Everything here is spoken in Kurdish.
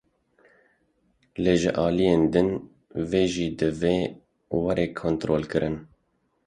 Lê ji aliyine din ve jî divê were kontrolkirin.